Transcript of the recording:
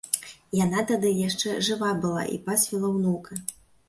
Яна тады яшчэ жыва была й пасвіла ўнука.